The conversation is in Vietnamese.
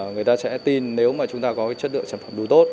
người ta sẽ tin nếu chúng ta có chất lượng sản phẩm đủ tốt